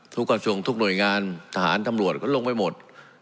กระทรวงทุกหน่วยงานทหารตำรวจก็ลงไปหมด